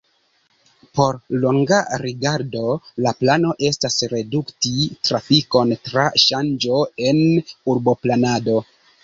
Por longa rigardo la plano estas redukti trafikon tra ŝanĝo en urboplanado.